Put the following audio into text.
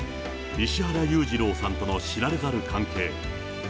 石原裕次郎さんとの知られざる関係。